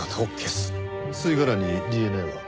吸い殻にＤＮＡは？